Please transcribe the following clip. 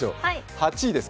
８位です。